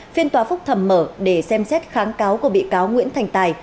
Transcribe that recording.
phiên tòa phúc thẩm mở để xem xét kháng cáo của bị cáo nguyễn thành tài